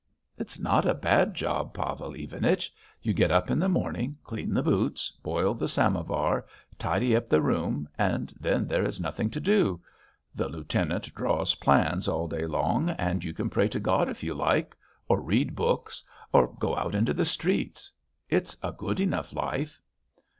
"It's not a bad job, Pavel Ivanich. You get up in the morning, clean the boots, boil the samovar, tidy up the room, and then there is nothing to do. The lieutenant draws plans all day long, and you can pray to God if you like or read books or go out into the streets. It's a good enough life."